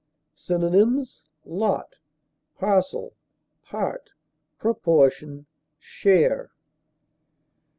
Synonyms: lot, parcel, part, proportion, share.